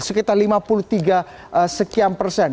sekitar lima puluh tiga sekian persen